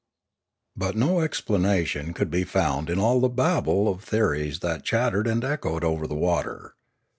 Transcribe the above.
But no explanation could be found in all the babel of theories that chattered and echoed over the water.